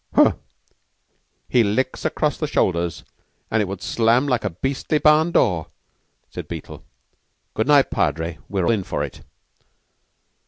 "Huh! He licks across the shoulders, an' it would slam like a beastly barn door," said Beetle. "Good night, Padre. We're in for it."